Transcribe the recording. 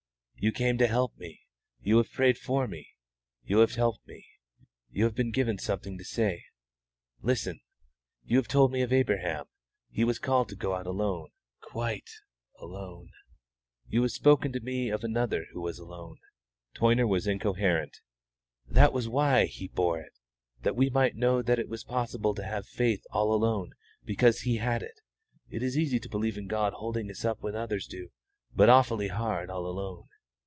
"You came to help me; you have prayed for me; you have helped me; you have been given something to say. Listen: you have told me of Abraham; he was called to go out alone, quite alone. Now you have spoken to me of Another who was alone." Toyner was incoherent. "That was why He bore it, that we might know that it was possible to have faith all alone because He had it. It is easy to believe in God holding us up when others do, but awfully hard all alone.